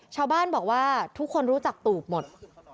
ชาวบ้านบอกว่าทุกคนรู้จักตูบหมด